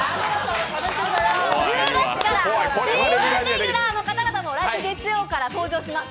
１０月からシーズンレギュラーの方々も来週月曜日から登場します。